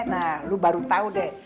nah lu baru tahu deh